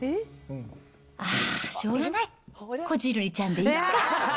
あっ、しょうがない、こじるりちゃんでいっか。